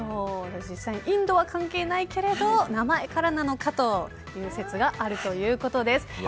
実際にインドは関係ないけれど名前からという説があるそうです。